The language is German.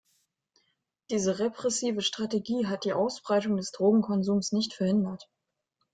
Diese repressive Strategie hat die Ausbreitung des Drogenkonsums nicht verhindert.